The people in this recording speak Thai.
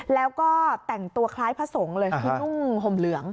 แล้วก็แต่งตัวคล้ายพระสงฆ์เลยที่นุ่งห่มเหลือง